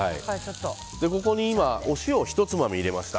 ここに今お塩をひとつまみ入れました。